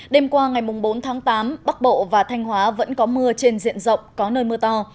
đêm qua ngày bốn tháng tám bắc bộ và thanh hóa vẫn có mưa trên diện rộng có nơi mưa to